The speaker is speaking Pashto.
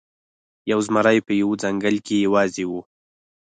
یو زمری په یوه ځنګل کې یوازې و.